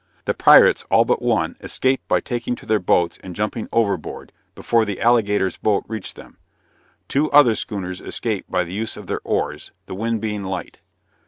The pirates, all but one, escaped by taking to their boats and jumping overboard, before the Alligator's boat reached them. Two other schooners escaped by the use of their oars, the wind being light.